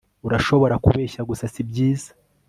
Urashobora kubeshya gusa sibyiza